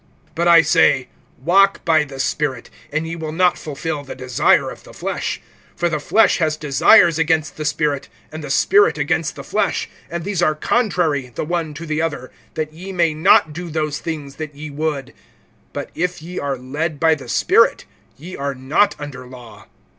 (16)But I say, walk by the Spirit, and ye will not fulfill the desire of the flesh. (17)For the flesh has desires against the Spirit, and the Spirit against the flesh; and these are contrary the one to the other, that ye may not do those things that ye would. (18)But if ye are led by the Spirit, ye are not under law.